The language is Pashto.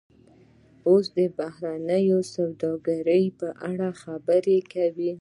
اوس د بهرنۍ سوداګرۍ په اړه خبرې کوو